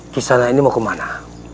kisah lainnya mau kemana